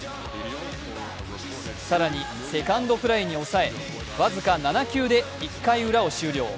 更にセカンドフライに抑え僅か７球で１回ウラを終了。